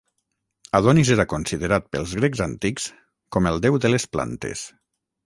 Adonis era considerat pels grecs antics com el déu de les plantes.